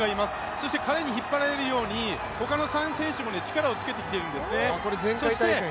そして彼に引っ張られるようにほかの３選手も力をつけてきているんですね。